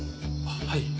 はい。